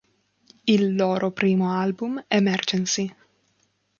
Il loro primo album, "Emergency!